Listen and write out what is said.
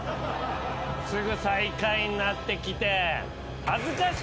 すぐ最下位になってきて。